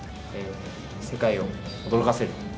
世界を驚かせる。